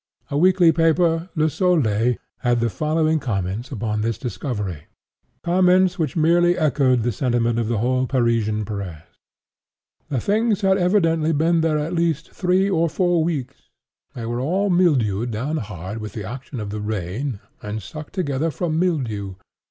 A weekly paper, Le Soleil,(*12) had the following comments upon this discovery—comments which merely echoed the sentiment of the whole Parisian press: "The things had all evidently been there at least three or four weeks; they were all mildewed down hard with the action of the rain and stuck together from mildew.